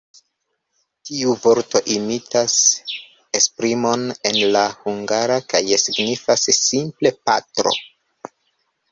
Tiu vorto imitas esprimon en la hungara, kaj signifas simple “patro”.